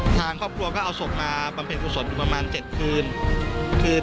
ทางครอบครัวก็เอาศพมาปรัมเพลงกุศลประมาณ๗คืน